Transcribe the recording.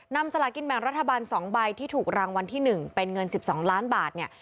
นำสลากกินแมงรัฐบาลสองใบที่ถูกรางวันที่หนึ่งเป็นเงินสิบสองล้านบาทเนี่ย